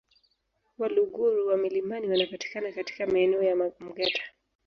Waluguru wa milimani wanapatikana katika maeneo ya Mgeta